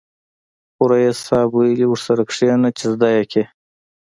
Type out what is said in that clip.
خو ريس صيب ويلې ورسره کېنه چې زده يې کې.